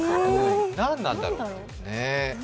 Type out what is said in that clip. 何なんだろう。